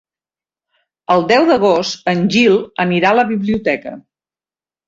El deu d'agost en Gil anirà a la biblioteca.